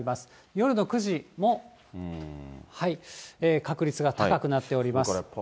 夜の９時も、確率が高くなっております。